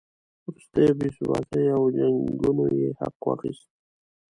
وروستیو بې ثباتیو او جنګونو یې حق واخیست.